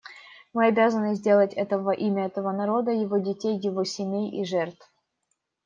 Мы обязаны сделать это во имя этого народа, его детей, его семей и жертв.